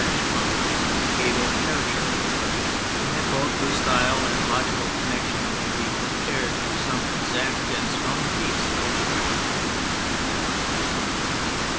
THE POLITICAL THEORY 21 expression in that book whose style and logical connection may be compared to some exact and strong piece of engineering.